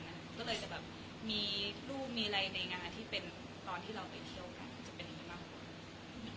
ก็เลยจะแบบมีรูปมีอะไรในงานที่เป็นตอนที่เราไปเที่ยวกันจะเป็นอย่างนี้มากกว่า